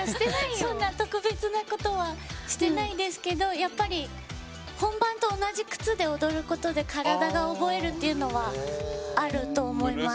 そんな特別なことはしてないですけどやっぱり、本番と同じ靴で踊ることで体が覚えるっていうのはあると思います。